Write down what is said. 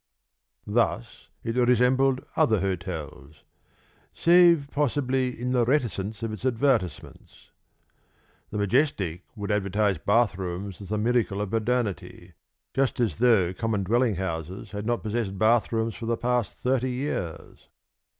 Thus it resembled other hotels. (Save possibly in the reticence of its advertisements! The Majestic would advertise bathrooms as a miracle of modernity, just as though common dwelling houses had not possessed bathrooms for the past thirty years.